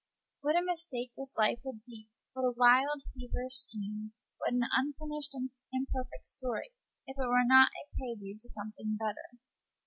What a mistake this life would be, what a wild, feverish dream, what an unfinished and imperfect story, if it were Page 72 not a prelude to something better!